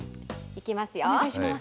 お願いします。